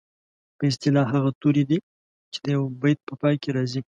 په اصطلاح هغه توري دي چې د یوه بیت په پای کې راځي.